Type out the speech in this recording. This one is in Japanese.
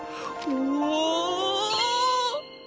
お？